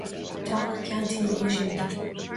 Teach ceann tuí é sin.